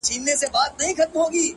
o ددې ښايستې نړۍ بدرنگه خلگ؛